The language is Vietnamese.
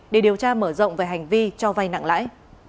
để điều tra mở rộng về hành vi cho vay nặng lãi